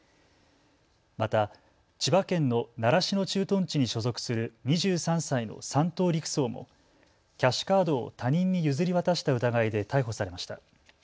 また千葉県の習志野駐屯地に所属する２３歳の３等陸曹もキャッシュカードを他人に譲り渡した疑いで逮捕されました。